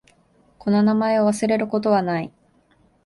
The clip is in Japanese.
この名前を忘れることはない。